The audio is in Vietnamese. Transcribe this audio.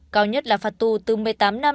cao nhất là phạt tù từ một mươi tám năm